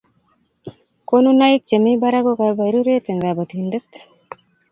koninaik chemi barak ko kabaruret eng' kabatindet